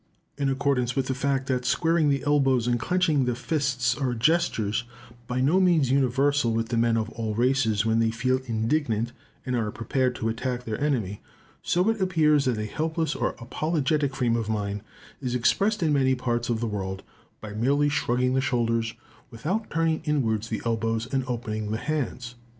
In accordance with the fact that squaring the elbows and clenching the fists are gestures by no means universal with the men of all races, when they feel indignant and are prepared to attack their enemy, so it appears that a helpless or apologetic frame of mind is expressed in many parts of the world by merely shrugging the shoulders, without turning inwards the elbows and opening the hands.